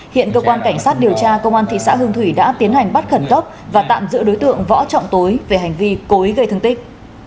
hiện cơ quan cảnh sát điều tra công an thị xã hương thủy đã tiến hành bắt khẩn cấp và tạm giữ đối tượng võ trọng tối về hành vi cối gây thương tích